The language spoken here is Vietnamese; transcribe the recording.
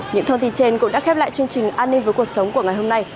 những thông tin trên cũng đã khép lại chương trình an ninh với cuộc sống của ngày hôm nay